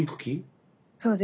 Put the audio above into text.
そうですね。